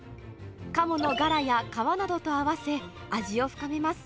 カモのガラや皮などと合わせ、味を深めます。